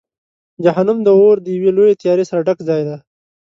جهنم د اور د یوې لویې تیارې سره ډک ځای دی.